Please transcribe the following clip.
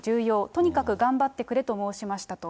とにかく頑張ってくれと申しましたと。